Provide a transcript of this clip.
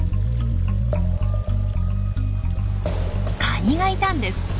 カニがいたんです。